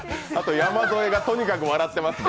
山添がとにかく笑ってますね。